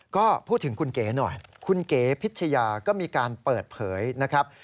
ก็พูดถึงคุณเก๋หน่อยคุณเก๋พิชยาก็มีการเปิดเผยนะครับ